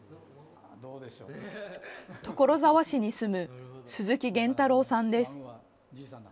所沢市に住む鈴木源太郎さんです。